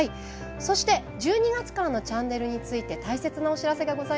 そして、１２月からのチャンネルについて大切なお知らせです。